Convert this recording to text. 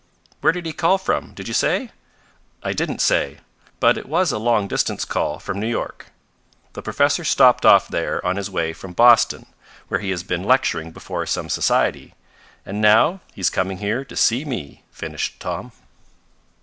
"Where did he call from; did you say?" "I didn't say. But it was a long distance call from New York. The Professor stopped off there on his way from Boston, where he has been lecturing before some society. And now he's coming here to see me," finished Tom.